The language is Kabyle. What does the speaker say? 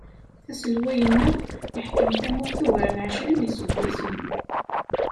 Aselway-nneɣ yeḥkem tamurt ugar n ɛecrin iseggasen.